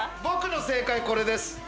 僕の正解これです